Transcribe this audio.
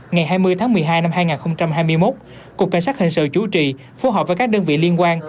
ngày hai mươi tháng một mươi hai năm hai nghìn hai mươi một cục cảnh sát hình sự chủ trì phối hợp với các đơn vị liên quan